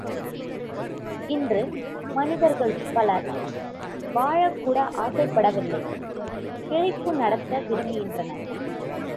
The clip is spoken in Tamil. இன்று மனிதர்களில் பலர் வாழக் கூட ஆசைப்படவில்லை பிழைப்பு நடத்த விரும்புகின்றனர்.